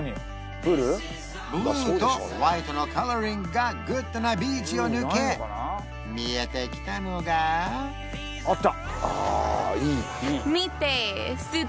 ブルーとホワイトのカラーリングがグッドなビーチを抜け見えてきたのがあった！